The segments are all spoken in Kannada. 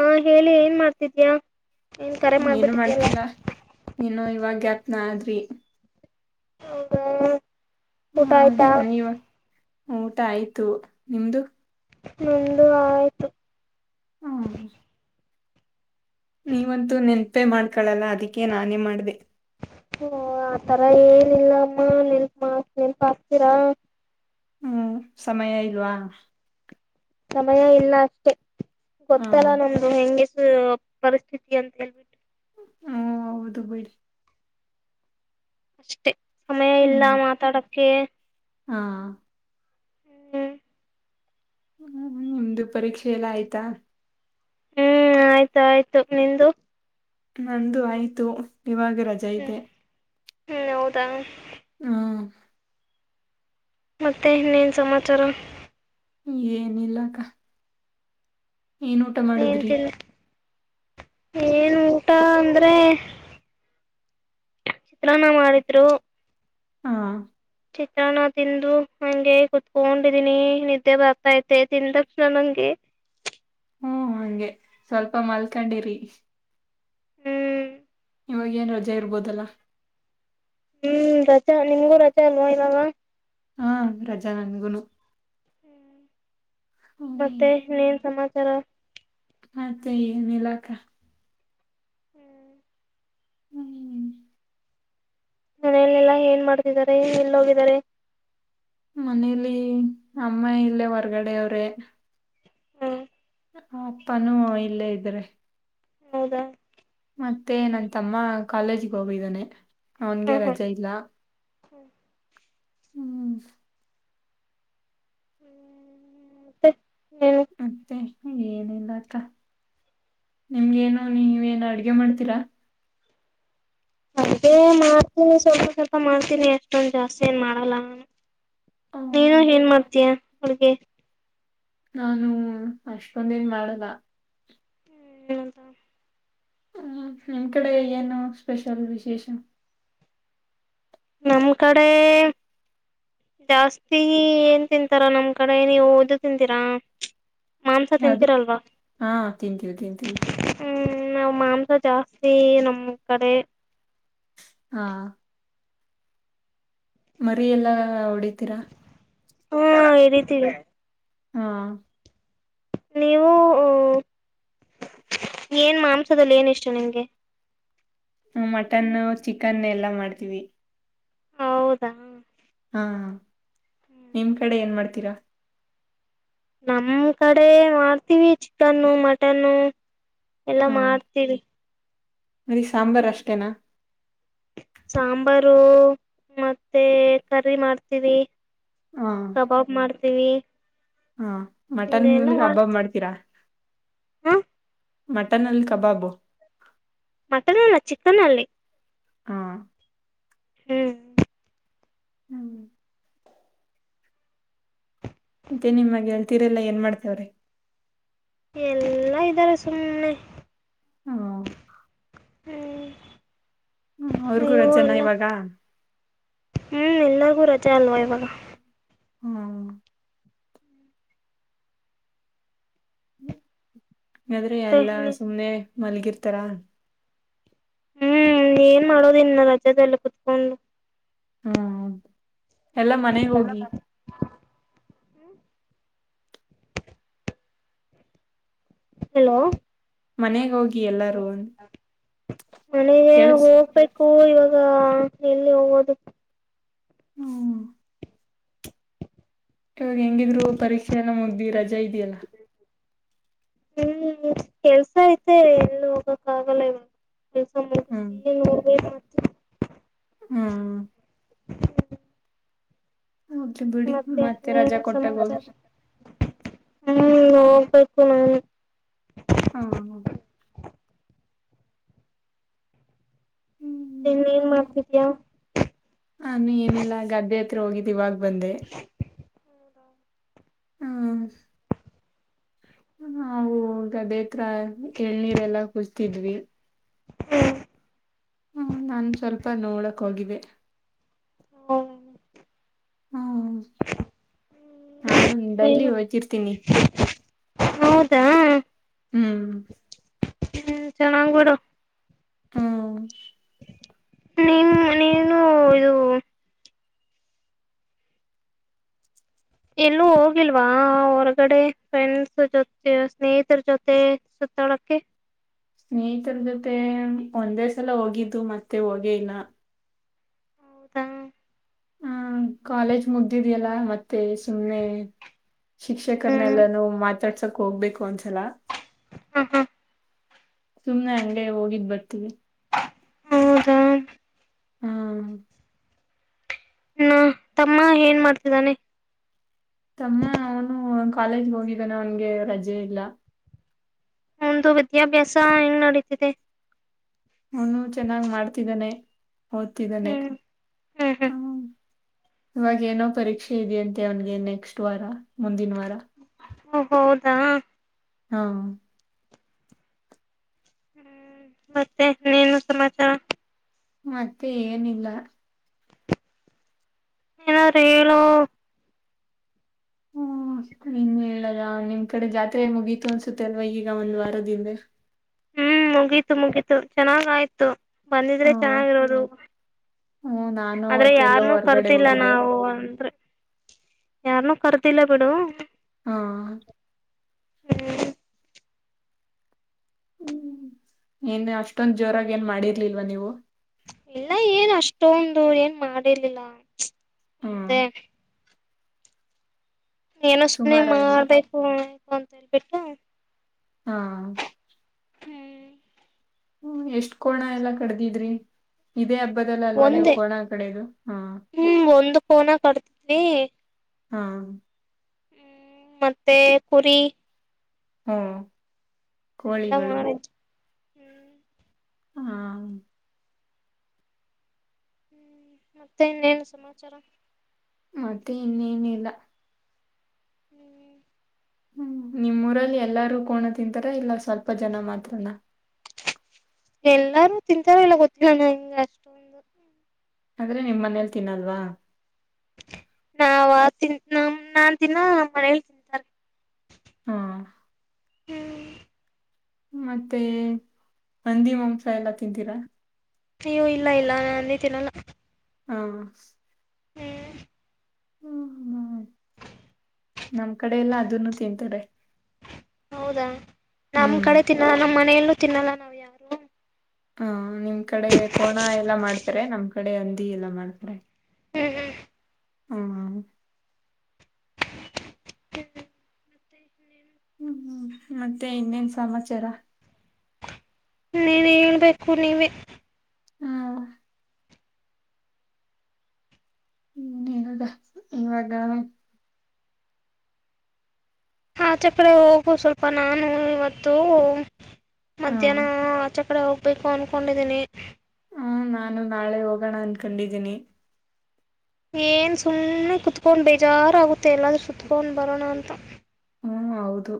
ಆ ಹೇಳಿ ಏನ್ ಮಾಡ್ತಿದ್ಯಾ ಏನ್ ಕರೆ ಏನು ಮಾಡ್ಬಿಟ್ಟಿದ್ಯಲ್ಲ ಮಾಡ್ತಿಲ್ಲಾ ನು ಯಾವಾಗ್ಯಾಪ್ನ ಆದ್ರಿ ಹ ಕಟಾಾಯಟಾ ನೀವ ಊಟ ಆಯ್ತು ನಿಮ್ದು ಮುಂದು ಆಯ್ತು ಹ್ಮ ನೀವಂತೂ ನೆನ್ಪೆ ಮಾಡ್ಕೊಳಲ್ಲ ಅದಕ್ಕೆೇ ನಾನೇ ಮಾಡ್ದ ಹಓ ಆತರ ಏನಿಲ್ಲ ಅಮ್ಮ ನೆನ್ಪ ಮಾ ನೆನ್ಪ ಹಾಕ್ತೀರಾ ಹ್ಮ್ ಸಮಯ ಇಲ್ವಾ ಸಮಯ ಇಲ್ಲ ಅಷ್ಟೆ ಹ ಗೊತ್ತಲ್ಲ ನಮ್ದು ಹೆಂಗೆ ಪರಿಸ್ಥಿತಿ ಅಂತ ಹೇಳ್ಬಿಟಿ ಹಓ ಹ ದುಬೈ ಅಷ್ಟ ಸಮಯ ಇಲ್ಲ ಹ್ಮ್ ಮಾತಾಡಕ್ಕೆ ಹಾ ಹ್ಮ್ ಹ್ಮ್ ನಿಮ್ದು ಪರೀಕ್ಷೆ ಎಲ್ಲ ಆಯ್ತಾ ಹ್ಮ್ ಆಯ್ತ ಆಯ್ತು ನಿಂದು ನಂದು ಆಯ್ತು ಇವಾಗ ರಜೆ ಹ್ಮ್ ಇದೆ ಹ್ಮ್ ಹೌದಾ. ಹ್ಮ ಮತ್ತೆ ಇನ್ನೇನು ಸಮಾಚಾರ ಏನಿಲ್ಲಕ್ಕ ಏನ್ ಊಟ ಏನ್ ಮಾಡುದ್ರಿ ತಿನ್ ಏನ್ ಊಟ ಅಂದ್ರೆ ಚಿತ್ರಾನ್ನ ಮಾಡಿದ್ರು ಹಾ [unintelligible] ಚಿತ್ರ ನ ತಿಂದು ಹಂಗೆ ಕುೂತ್ಕೊಂಡಿದೀನಿ ನಿದ್ದೆ ಬರ್ತ ೈತೆ ತಿಂದಪ್ ನನ್ ಹಂಗೆ ಹ್ಮ ಹಂಗೆ ಸ್ವಲ್ಪ ಮಲ್ಕೊಂಡಿರಿ ಹ್ಮ್ ಇವಾಗ ಏನ್ ರಜೆ ಇರ್ಬೋದಲ್ಲ ಹ್ಮ್ ರಚೆ ನಿಮ್ಗೂ ರಚೆ ಅಲ್ವೋ [unintelligible] ಹಾ ರಜಾ ನಂದಗುನು ಹ್ಮ್ [unintelligible] ಮತ್ತೆ ಇನ್ನೇನ್ ಸಮಾ ಸರ [unintelligible] ಮತ್ತೆ ಏನ್ ಇಲ್ಲಾ ಅಕ್ಕ ಹ್ಮ್ [unintelligible] ಹ್ಮ್ ನನಲ್ಲೆಲ್ಲಾ ಏನ್ ಮಾಡ್ತಿದ್ದಾರೆ ಎಲ್ಲೋಗಿದ್ದಾರಿ ಮನೇಲಿ ಅಮ್ಮ ಇಲ್ಲೇ ಹೊರ್ಗಡೆ ಅವ್ರೇ [unintelligible] ಹಾ ಅಪ್ಪಾನೂ ಇಲ್ಲೇ ಇದ್ರೆ ಹೌದಾ ಮತ್ತೆ ನನ್ ತಮ್ಮ ಕಾಲೇಜಿಗೆ ಹೋಗಿದ್ದಾನೆ ಅವನ್ಗೆ ರಜೆ ಇಲ್ಲ. ಹ್ಮ್ [unintelligible] ಹ್ಮ್ [unintelligible] ಹ್ಮ್ [unintelligible] ಮತ್ತೆ. ಏನಿಲ್ಲ ಆತಾ [unintelligible] ನಿಮ್ಗೇನು ನೀವೇಏನು ಅಡ್ಗೆ ಮಾಡ್ತೀರಾ ಅದೇ ಮಾಡ್ತೀನಿ ಸ್ವಲ್ಪ ಸ್ವಲ್ಪ ಮಾಡ್ತೀನಿ ಎಷ್ಟೊಂದ ಜಾಸ್ತಿ ಏನ್ ಮಾಡಲ್ಲ ಆ, ನೀನು ಏನ್ ಮಾಡ್ತೀಯಾ ಹಗೆ ನಾನು ಅಷ್ಟೊಂದನ್ ಮಾಡಲ್ಲ ಹ್ಮಲ್ಲಂತ ಹ್ಮ್ ನಿಮ್ ಕಡೆ ಏನು ಸ್ಪೆಷಲ್ ವಿಶೇಷ ನಮ್ ಕಡೆ ಜಾಸ್ತಿ ಏನ್ ತಿಂತಾರ ನಮ್ ಕಡೆ ನೀವು ಓದದು ತಿಂತೀರಾ [unintelligible] ಯಾವದು ತಿಂತೀರಲ್ವಾ ಹಾ ತಿಂತೀವಿ ತಿಂತೀವಿ ನಾ್ ಮಾಂಸ ಜಾಸ್ತಿ ನಮ್ ಕಡೆ [unintelligible] ಹಾ [unintelligible] ಮರಿ ಎಲ್ಲಾ ಹೊಡಿತೀರಾ ಹ್ಮ ಹಿರಿತಿವಿ ಹಾ ನೀವು ಏನ್ ಮಾಂಸದಲ್ಲಿ ಏನ ಇಷ್ಟು ನಿಂಗೆ ಮಟನ್ನು ಚಿಕನ್ ಎಲ್ಲಾ ಮಾಡ್ತೀವಿ ಹೌದಾ ಹಾ ನಿಮ್ ಕಡೆ ಏನ್ ಮಾಡ್ತೀರಾ ನಮ್ ಕಡೆ ಮಾಡ್ತೀವಿ ಚಿಕನ್ನು ಮಟನ್ನು ಎಲ್ಲ ಮಾಡ್ತೀವಿ ಅರಿ ಸಾಂಬಾರ್ ಅಷ್ಟೇನಾ ಸಾಂಬಾರು ಮತ್ತೆ ಕರಿರ ಮಾಡ್ತೀವಿ ಹಾ ಕಬಾಬ್ ಮಾಡ್ತ ತಿವಿ ಹಾ ಮಟನ್ ಹಿಂಗೆಲ್ಲ ಹಗ್ ಹಬ್ಬ ಹಬ್ ಮಾಡ್ತೀರಾ ಹ ಮಟನ್ ಅಲ್ಲಿ ಕಬಾಬು ಮಟನ್ ಅಲ್ಲ ಚಿಕನ್ಲ್ಲಿ ಹಾ ಹ್ಮ್ ಹ್ಮ್ ಮತ್ತೆ ನಿಮ್ಮ ಗೆಳತಿರೆಲ್ಲ ಏನ್ ಮಾಡ್ತೇವ್ರಿ ಎಲ್ಲಾ ಇದ್ದಾರೆ ಸುಮ್ಮ್ನೆ ಹ್ಮ ಹ್ಮ್ ಹ್ಮ ಅವ್ರಿಗೂ ರಜೆನ ಇವಾಗ ಹ್ಮ್ ಎಲ್ಲರಿಗೂ ರಜೆ ಅಲ್ವಾ ಇವಾಗ ಹ್ಮ್ ಹ್ಮ್ ಅ್ರೆ ಮತ್ತೆ ಎಲ್ಲಾ ಹ್ಞೂ ಸುಮ್ಮ್ನೆ ಮಲ್ಗಿರ್ತರಾ ಹ್ಮ್ ಏನ್ ಮಾಡೋದ ಇನ್ನ ರಜಾದೆಲ್ಲ ಕುೂತ್ಕೊಂಡು ಹ್ಮ ಎಲ್ಲ ಮನೆ ಹೋಗಿ ಹ್ಮ್ ಹಲೋ ಮನೆಗೆ ಹೋಗಿ ಎಲ್ಲಾರು ಮನಗೆ ಕೇಳಸ್ ಹೋಗ್ಬೇಕು ಇವಾಗ ಎಲ್ಲಿ ಹೋಗೋದು ಹ್ಮ ಇವಾಗ ಹೆಂಗಿದ್ರು ಪರೀಕ್ಷೆ ಎಲ್ಲ ಮುಗ್ದಿ ರಜಾ ಇದೆಯಲ್ಲಾ ಹ್ಮ್ ಕೆಲ್ಸ ಐತೆ ಎಲ್ಲಿ ಹೋಗಕ್ ಆಗಲ್ಲ ಇವ ಸಮಯ ಹ್ಮ್ ಸಿಗ ಹ್ಮ್ [inaudible] ಹೋಗ್ಲಿ ಬಿಡಿ ಮತ್ತೆ ರಜಾ ನೀನು ಕೊಟ್ಟಾಗ ಸಮಾಚಾರ ಹೋಗಿ ಹ್ಮ ಹ್ಮ ನಬೇಕಕು ನಾನು ಹಾ [inaudible] ಹ್ಮ್ [inaudible] ಇನ್ ಏನ್ ಮಾಡ್ತಿದೀಯ ಹಾನು ಏನಿಲ್ಲಾ ಗದ್ದೆ ಹೋಗಿದ್ದಿವವಾಗ ಬಂದೆ ಹೌದ [inaudible] ಹ ನಾವು ಗದೇತ್ರ ಎಳ್ನೀರೆಲ್ಲಾ ಕುಸತಿದ್ವಿ ಹ್ಮ್ ಹ್ಮ ನಾನು ಸ್ವಲ್ಪ ನೋಡಕ್ ಹೋಗಿದ್ದೆ ಹ್ಮ ಹ್ಮ ನಾನನ್ ಡೈಲಿ ಹೋಗೋಗಿರ್ತೀನಿ ಹೌದಾ ಹ್ಮ್ [inaudible] ಹ್ಮ ಚಣಂಗೂಡ ಹ್ಮ ನಿಮ ನೀನು ಇದು ಎಲ್ಲೂ ಹೋಗಿಲ್ವಾ ಹೊರಗಡೆ ಫ್ರೆಂಡ್ಸ್ ಜೊತೆ ಸ್ನೇಹಿತರ ಜೊತೆ ಸುತ್ತಾಡಕ್ಕೆ ಸ್ನೇಹಿತರ ಜೊತೆ ಒಂದೇ ಸಲ ಹೋಗಿದ್ದು ಮತ್ತೆ ಹೋಗೇ ಇಲ್ಲ ಹೌದಾ ಹ ಕಾಲೇಜ್ ಮುಗ್ದಿದಿಯಲ್ಲ ಮತ್ತೆ ಸುಮ್ನೆ ಹ್ಮ್ ಶಿಕ್ಷಕರನೆಲ್ಲಾನ ಮಾತಾ [inaudible] ಹೋಗ್ಬೇಕು ಒಂದ್ಸಲ ಹ್ಮ ಹ್ಮ ಸುಮ್ನೆ ಅಂಗೆ ಹೋಗಿದ್ ಬರ್ತೀವಿ ಹೌದಾ ಹ್ಮ ಹ ತಮ್ಮ ಏನ್ ಮಾಡ್ತಿದ್ದಾನೆ ತಮ್ಮ ಅವನು ಕಾಲೇಜ್ ಹೋಗಿದ್ದಾನೆ ಅವನ್ಗೆ ರಜೆ ಇಲ್ಲ ಒಂದು ವಿದ್ಯಾಭ್ಯಾಸ ಹೆಂಗ ನಡೀತಿದೆ ಹನು ಚೆನ್ನಾಗ್ ಮಾಡ್ತಿದ್ದಾನೆ ಓದ್ತಿದ್ದಾನೆ ಹ್ಮ್ ಹ್ಮ್ ಹ್ಮ್ ಹ್ಮ ಇವಾಗ ಏನೋ ಪರೀಕ್ಷೆ ಇದೆಯಂತೆ ಅವನ್ಗೆ ನೆಕ್ಸ್ಟ್ ವಾರ ಮುಂದಿನ ವಾರ ಓ ಹೌದಾ ಹಾ ಮತ್ತೆ ನೀನು ಸಮಾಚಾರ? [unintelligible] ಮತ್ತೆ ಏನಿಲ್ಲ? ಏನಾದ್ರ ಹೇಳು? [unintelligible] ಹೂ ಇನ್ ಹೇಳದ ನಿಮ್ ಕಡೆ ಜಾತ್ರೆ ಮುಗೀತು ಅನ್ಸುತ್ತೆ ಅಲ್ವ ಈಗ ಒಂದ್ ವಾರದ ಹಿಂದೆ ಹೂ ಮುಗೀತು ಮುಗೀತು ಚೆನ್ನಾಗ ಆಯ್ತು ಬಂದಿದ್ರೆ ಹ ಚೆನ್ನಾಗಿರೋದು ಹ್ಮ ನಾನು ಆದ್ರೆ ಅವತ್ತೆಲ್ಲೋ ಯಾರನ್ನು ಹೊರ್ಗಡೆ ಕರ್ದಿಲ್ಲ ಹೋಗಿದ್ದೆ ನಾವು ಒಬ್ಬರೇ ಯಾರನೂ ಕರ್ದಿಲ್ಲ ಬಿಡು. [unintelligible] ಹಾ [unintelligible] ಹ್ಮ್ [inaudible] ಹ್ಮ ಇನ್ ಅಷ್ಟೊಂದ ಜೋರಾಗಿ ಏನ್ ಮಾಡಿರ್ಲಿಲ್ವಾ ನೀವು ಇಲ್ಲ ಏನ್ ಅಷ್ಟೊಂದು ಏನ್ ಮಾಡಿರ್ಲಿಲ್ಲ ಹ್ಮ್ ಅದೇ ಏನೋ ಸುಮ್ನೆ ಸುಮಾರಾಗಿ ಮಾಡ್ಬೇಕು ಅಂತ್ ಬಿಟ್ಟಾ? [unintelligible] ಹಾ ಹೂ ಎಷ್ಟ್ ಕೋಣ ಎಲ್ಲಾ ಕಡ್ದಿದ್ರಿ ಇದೇ ಅಬ್ ಒಂದೇ ಹೂ ಒಂದ್ ಕೋಣ ಕಾಡದ್ವಿ [unintelligible] ಹಾ ಹೂ ಮತ್ತೆ ಪೂರಿ ಹ ಕೋಳಿಗಳು, ಹೂ ಹಾ ಹ್ಮ್ ಮತ್ತೆ ಇನ್ನೇನ ಸಮಾಚಾರ? ಮತ್ತೆ ಇನ್ನೇನ ಇಲ್ಲ ಹೂ ಹೂ ನಿಮ್ಮ ಊರಲ್ಲಿ ಎಲ್ಲಾರೂ ಕೋಣ ತಿಂತಾರ ಇಲ್ಲ ಸ್ವಲ್ಪ ಜನ ಮಾತ್ರ ನಾ ಎಲ್ಲಾರು ತಿಂತಾರ ಇಲ್ಲ ಗೊತ್ತಿಲ್ಲ ನಂಗೆ ಅಷ್ಟೊಂದು ಆದ್ರೆ ನಿಮ್ ಮನೇಲ್ ತಿನ್ನಲ್ವಾ? ನಾವ ತಿನ್ ನಮ್ಮ ನಾನ್ ತಿನ್ನಲ್ಲ ನಮ್ಮ ಮನೇಲಿ ತಿಂತಾರೆ.. [unintelligible] ಹೂ ಹ್ಮ್ ಮತ್ತೆ ಬಂದಿ ಮಾಂಸ ಎಲ್ಲಾ ತಿಂತೀರಾ? ಚಿ ಯ್ಯೋ ಇಲ್ಲ ಇಲ್ಲ ನಾ ಹಂದಿತೀನಲ್ಲ ಹಾ [unintelligible] ಹ್ಮ್ ನಮ್ ಕಡೆ ಎಲ್ಲ ಅದನ್ನು ತಿಂತಾರೆ ಹೌದಾ ಹೂ ತಿನ್ನಲ್ಲಾ ನಾವು ಯಾರು? [unintelligible] ಹಾ ನಿಮ್ ಕಡೆ ಕೋಣ ಎಲ್ಲಾ ಮಾಡ್ತಾರೆ ನಮ್ ಕ ಕಡೆ ಹಂದಿ ಎಲ್ಲ ಮಾಡುತ್ತಾರೆ. ಹ್ಮ್ ಹೌದಾ [unintelligible] ಹೂ ಮತ್ತೆ ಹೇಳಿ [inaudible] ಹೂ ಹೂ ಮತ್ತೆ ಇನ್ನೇನ್ ಸಮಾಚಾರ? [unintelligible] ನೀವೇ ಹೇಳ್ಬೇಕು ನೀವೇ [unintelligible] ಹ ಹ್ಮ ಏನಾದ ಇವಾಗ ಆಚೆ ಕಡೆ ಹೋಗು ಸ್ವಲ್ಪ ನಾನು ಇವತ್ತು ಹ ಮಧ್ಯಾಹ್ನ ಆಚೆ ಕಡೆ ಬರ್ಬೇಕು ಅನ್ಕೊಂಡಿದ್ದೀನಿ ಹ್ಮ ನಾನು ನಾಳೆ ಹೋಗೋಣ ಅನ್ಕೊಂಡಿದ್ದೀನಿ ಏನ್ ಸುಮ್ಮ್ನೆ ಕುತ್ಕೊಂಡ್ ಬೇಜಾರ ಆಗುತ್ತೆ ಎಲ್ಲಾದ್ರೂ ಸುತ್ಕೊಂಡ್ ಬರೋಣ ಅಂತ ಹ್ಮ ಹೌದು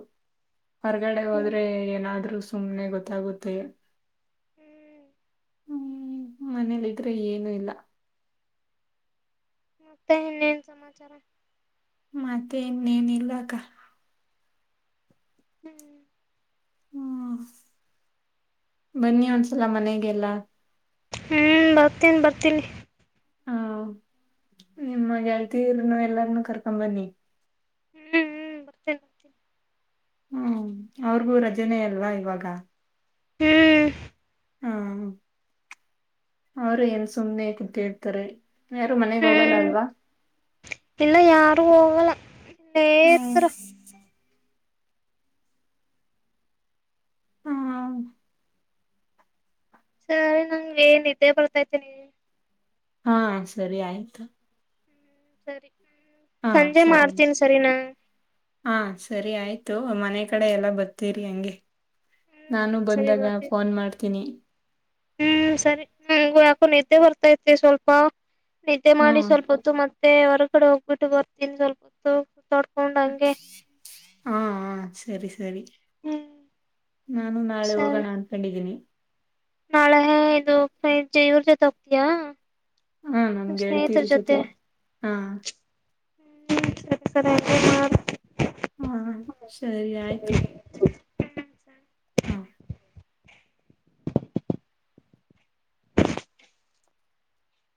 ಹೊರಗಡೆ ಹೋದ್ರೆ ಏನಾದ್ರು ಸುಮ್ನೆ ಗೊತ್ತಾಗುತ್ತೆ ಹೂ ಮನೇಲಿ ಇದ್ರು ಏನು ಇಲ್ಲ? [unintelligible] ಮತ್ತೆ ಇನ್ನೇನ್ ಸಮಾಚಾರ ಮತೆನ್ನೇನ ಇಲ್ಲಕ್ಕ ಹ್ಮ್ ಹ್ಮ ಬನ್ನಿ ಒಂದಸಲ ಮನೆಗೆಲ್ಲ ಹ್ಮ್ ಬರ್ತೀನಿ ಬರ್ತೀನಿ ಹಾ ನಿಮ್ಮ ಗೆಳ್ತಿರ್ನ್ನುಎಲ್ಲಾರ್ನು ಕರ್ಕೊಂಡ್ ಬನ್ನಿ ಹ್ಮ್ ಹ್ಮ್ ಬರ್ತೇನೆ ಬರ್ತೇನಿ ಹ್ಮ ಅವ್ರಿಗೂ ರಜನೆ ಅಲ್ವಾ ಇವಾಗ ಹ್ಮ್ ಹಾ ಅವರು ಏನ್ ಸುಮ್ನೆ ಕೂತಿರ್ತಾರೆ ಯಾರು ಮನೆಗ್ ಹೋಗಲ್ಲ ಹ್ಮ್ ಅಲ್ವಾ ರು ಹೋಗಲ್ಲ ಇಲ್ಲೆ ಹ್ಮ್ ಇರ್ತಾರ ಹ್ಮ ಸರಿ ನಂಗೆ ನಿದ್ದೇ ಬರ್ತಾ ಐತೆ ಹಾ ಸರಿ ಆಯ್ತು ಹ್ಮ ಸರಿ ಹ್ಮ್ ಹಾ ಸಂಜೆ ಸರಿ ಮಾಡ್ತೇನಿ ಸರಿ ನಾ ಹಾ ಸರಿ ಆಯ್ತು ಮನೆ ಕಡೆ ಎಲ್ಲ ಬರ್ತೀರಿ ಹಂಗೆ ಹ್ಮ್ ನಾನು ಸರಿ ಸರಿ ಬಂದಾಗ ಬರ್ತೀನಿ ಫೋನ್ ಮಾಡ್ತೀನಿ ಹ್ಮ್ ಸರಿ ನಂಗು ಯಾಕೋ ನಿದ್ದೆ ಬರ್ತೈತ್ರಿ ಸ್ವಲ್ಪ ನಿದ್ದೆ ಮಾಡಿ ಹ್ಮ್ ಸ್ವಲ್ಪ ಹೊತ್ತು ಮ ಮತ್ತೆ ಹೊರಗಡೆ ಹೋಗ್ಬಿಟ್ಟು ಬರ್ತೀನಿ ಸ್ವಲ್ಪ ರೌಂಡ್ ಹಂಗೆ ಹಾ ಹ ಸರಿ ಸರಿ ಹ್ಮ್ ನಾನು ನಾಳೆ ಸರಿ ಹೋಗೋಣ ಅನ್ಕೊಂಡಿದ್ದೀನಿ ನಾಳೆ ಇದು ಜೈೂ [unintelligible] ಇವರ್ ಜೊತೆ ಹೋಗ್ತಯಾ ಹಾ ನಮ್ ಗೆಳ್ತಿ ರ್ ಜೊತೆ ಹಾ ಹಸತ ಹಾ ಸರಿ ಆಯ್ತು ಹ್ಮ್ ಸರಿ. ಹಾ